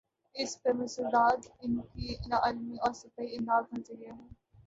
اس پر مستزاد ان کی لا علمی اور سطحی انداز نظر ہے۔